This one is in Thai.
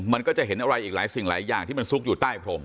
มันก็จะเห็นอะไรอีกหลายสิ่งหลายอย่างที่มันซุกอยู่ใต้พรม